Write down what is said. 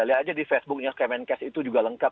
lihat aja di facebooknya kemenkes itu juga lengkap